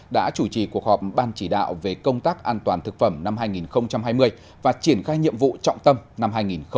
đã chủ trì cuộc họp ban chỉ đạo về công tác an toàn thực phẩm năm hai nghìn hai mươi và triển khai nhiệm vụ trọng tâm năm hai nghìn hai mươi một